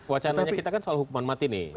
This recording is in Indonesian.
wacananya kita kan soal hukuman mati nih